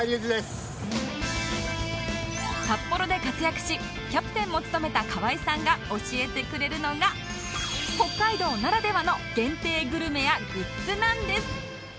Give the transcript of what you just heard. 札幌で活躍しキャプテンも務めた河合さんが教えてくれるのが北海道ならではの限定グルメやグッズなんです